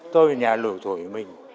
tôi ở nhà lửa thổi mình